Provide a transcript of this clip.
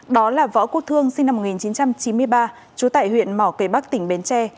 đó là võ quốc thương sinh năm một nghìn chín trăm chín mươi ba trú tại huyện mỏ cây bắc tỉnh bến tre